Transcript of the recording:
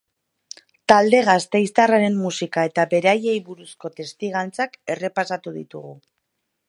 Talde gasteiztarraren musika eta beraiei buruzko testigantzak errepasatu ditugu.